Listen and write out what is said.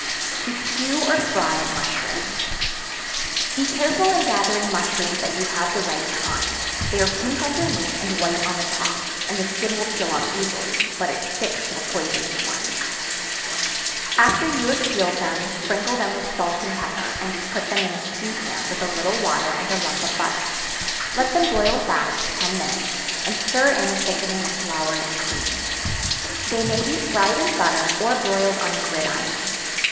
To Stew or Fry Mushrooms. Be careful in gathering mushrooms that you have the right kind; they are pink underneath, and white on the top, and the skin will peel off easily, but it sticks to the poisonous ones. After you have peeled them, sprinkle them with salt and pepper, and put them in a stew pan, with a little water, and a lump of butter; let them boil fast ten minutes, and stir in a thickening of flour and cream. They may be fried in butter, or broiled on a gridiron.